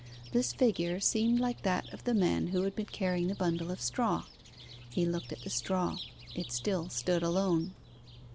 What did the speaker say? This figure seemed like that of the man who had been carrying the bundle of straw. He looked at the straw: it still stood alone.